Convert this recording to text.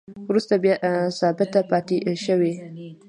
وروسته بیا ثابته پاتې شوې